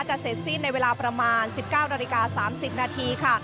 เสร็จสิ้นในเวลาประมาณ๑๙นาฬิกา๓๐นาทีค่ะ